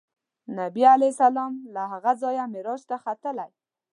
نبي علیه السلام له هغه ځایه معراج ته ختلی.